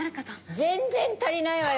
全然足りないわよ！